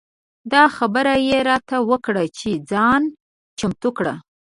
دا خبره یې راته وکړه چې ځان چمتو کړه.